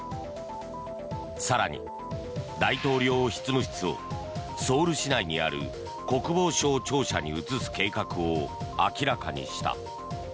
更に、大統領執務室をソウル市内にある国防省庁舎に移す計画を明らかにした。